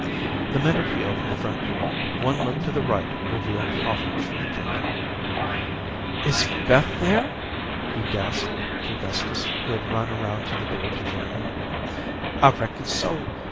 The minute he opened the front door, one look to the right revealed the awful truth to him. "Is Beth there?" he gasped to Gustus who had run around to the door to join him. "I reckon so.